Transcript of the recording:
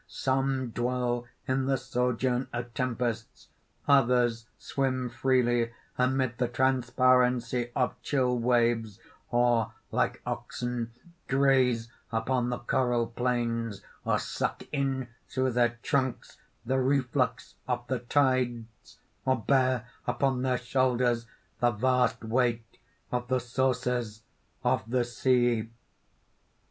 Some dwell in the sojourn of tempests; others swim freely amid the transparency of chill waves; or, like oxen, graze upon the coral plains, or suck in through their trunks the reflux of the tides, or bear upon their shoulders the vast weight of the sources of the sea."